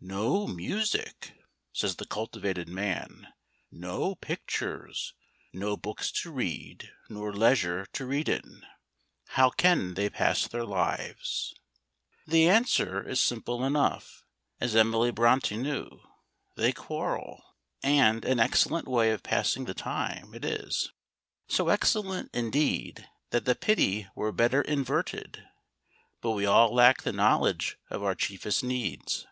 "No music," says the cultivated man, "no pictures, no books to read nor leisure to read in. How can they pass their lives?" The answer is simple enough, as Emily Brontë knew. They quarrel. And an excellent way of passing the time it is; so excellent, indeed, that the pity were better inverted. But we all lack the knowledge of our chiefest needs.